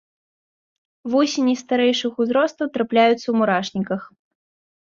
Вусені старэйшых узростаў трапляюцца ў мурашніках.